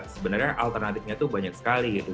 sebenarnya alternatifnya itu banyak sekali gitu